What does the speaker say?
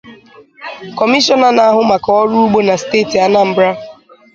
Kọmishọna na-ahụ maka ọrụ ugbo na steeti Anambra